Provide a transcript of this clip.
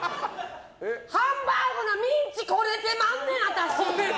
ハンバーグのミンチこねてまんねん、私！